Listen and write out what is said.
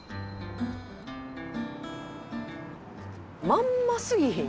「まんますぎひん？